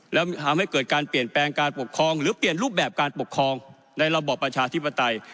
แล้วทำให้เกิดการเปลี่ยนแปลงการปกครองหรือเปลี่ยนรูปแบบการปกครองในระบอบประชาธิปไตย